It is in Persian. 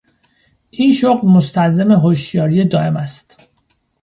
این شغل مستلزم هشیاری دایم است.